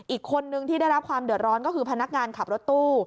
อีกคนนึงที่ได้รับความเดือดร้อนก็คือพนักงานขับรถตู้